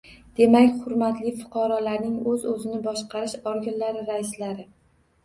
Demak, hurmatli fuqarolarning o‘zini-o‘zi boshqarish organlari raislari